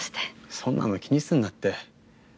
そんなの気にすんなって。